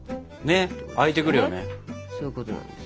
ね開いてくるよね。